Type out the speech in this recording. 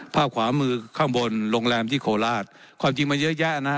ภาพขวามือข้างบนโรงแรมที่โคราชความจริงมันเยอะแยะนะฮะ